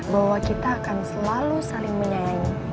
bahwa kita akan selalu saling menyayangi